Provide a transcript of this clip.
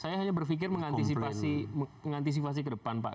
saya hanya berpikir mengantisipasi ke depan pak